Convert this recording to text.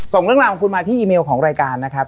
ส่งเรื่องราวของคุณมาที่อีเมลของรายการนะครับ